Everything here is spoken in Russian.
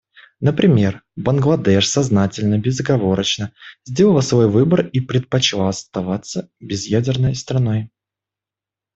Например, Бангладеш сознательно и безоговорочно сделала свой выбор и предпочла оставаться безъядерной страной.